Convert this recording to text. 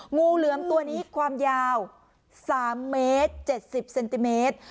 งูเหลือมตัวนี้ความยาว๓เมตร๗๐เซนติเมตร